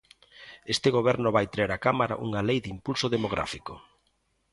Este Goberno vai traer á Cámara unha lei de impulso demográfico.